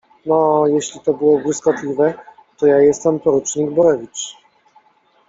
No, jeśli to było błyskotliwe, to ja jestem porucznik Borewicz.